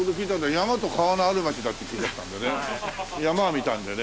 山と川のある場所だって聞いてきたんでね。